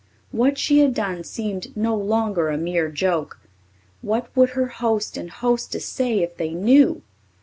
What she had done seemed no longer a mere joke. What would her host and hostess say if they knew?